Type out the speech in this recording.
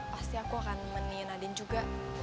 pasti aku akan nemenin nadin juga